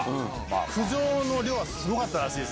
苦情の量はすごかったらしい